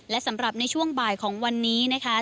และสำหรับในช่วงบ่ายของวันนี้นะคะ